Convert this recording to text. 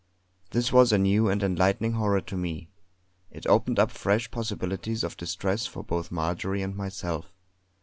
This was a new and enlightening horror to me. It opened up fresh possibilities of distress for both Marjory and myself.